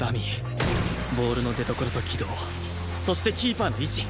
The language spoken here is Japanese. ボールの出どころと軌道そしてキーパーの位置